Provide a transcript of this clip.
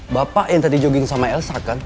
bapak yang tadi jogging sama elsa kan